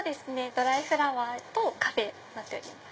ドライフラワーとカフェになっております。